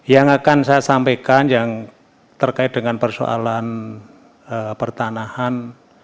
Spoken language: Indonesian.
yang akan saya sampaikan yang terkait dengan persoalan pertanahan